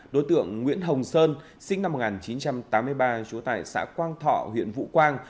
đối tượng nguyễn hồng sơn sinh năm một nghìn chín trăm tám mươi ba trú tại xã quang thọ huyện vũ quang